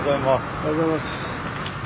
おはようございます。